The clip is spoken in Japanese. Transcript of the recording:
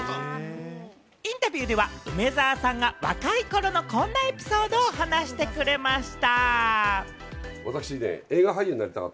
インタビューでは梅沢さんが若い頃のこんなエピソードを話してくれました。